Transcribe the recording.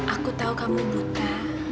aku tahu kamu buta